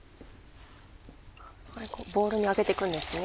ボウルにあけてくんですね。